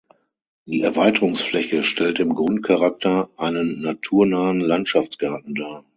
Die Erweiterungsfläche stellt im Grundcharakter einen naturnahen Landschaftsgarten dar.